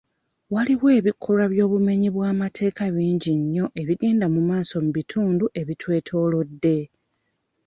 Waliwo ebikolwa by'obumenyi bwa'amateeka bingi nnyo ebigenda mu maaso mu bitundu ebitwetoolodde.